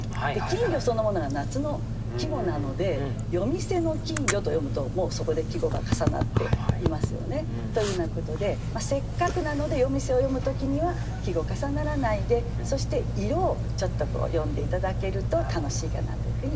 「金魚」そのものが夏の季語なので「夜店の金魚」と詠むともうそこで季語が重なっていますよねというようなことでせっかくなので夜店を詠むときには季語重ならないでそして色をちょっと詠んで頂けると楽しいかなというふうに思います。